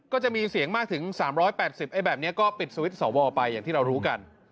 ก็จะมีเสียงมากถึง๓๘๐ไอ้แบบนี้ก็ปิดสวิตช์สวไปอย่างที่เรารู้กัน